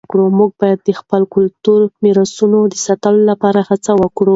موږ باید د خپلو کلتوري میراثونو د ساتلو لپاره هڅه وکړو.